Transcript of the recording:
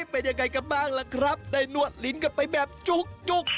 เป็นใยใครกับบ้างล่ะครับได้นวดลิ้นไปแบบจุ๊ก